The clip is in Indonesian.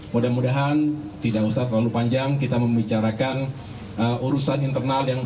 mudah mudahan tidak usah terlalu panjang kita membicarakan urusan internal yang